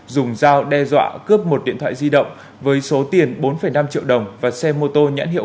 dùng dao đe dọa cướp một điện thoại di động với số tiền bốn năm triệu đồng và xe mô tô nhãn hiệu